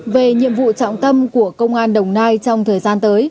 về nhiệm vụ trọng tâm của công an đồng nai trong thời gian tới